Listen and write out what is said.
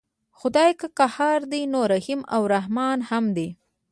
خدای که قهار دی نو رحیم او رحمن هم دی.